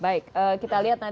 apakah kemudian akan diloloskan